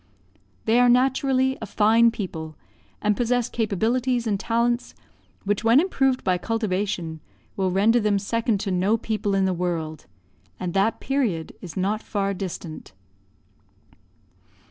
They are naturally a fine people, and possess capabilities and talents, which when improved by cultivation will render them second to no people in the world; and that period is not far distant.